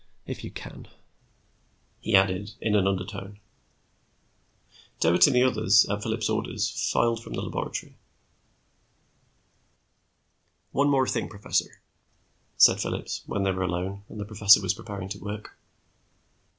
If you can," he added, in an undertone. Doherty and the others, at Phillips' orders, filed from the laboratory. "One thing more, professor," said Phillips, when they were alone and the professor was preparing to work.